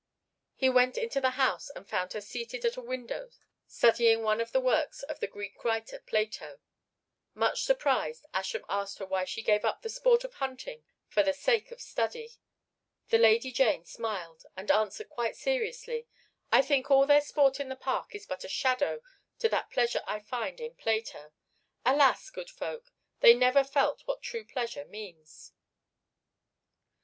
He went into the house and found her seated at a window studying one of the works of the Greek writer Plato. Much surprised Ascham asked her why she gave up the sport of hunting for the sake of study. The Lady Jane smiled, and answered quite seriously, "I think all their sport in the park is but a shadow to that pleasure I find in Plato. Alas! good folk, they never felt what true pleasure means."